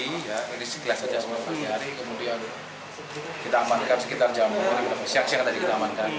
jadi sekilas saja semuanya pagi hari kemudian kita amankan sekitar jam siang siang tadi kita amankan